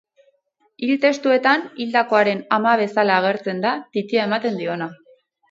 Hil testuetan, hildakoaren ama bezala agertzen da, titia ematen diona.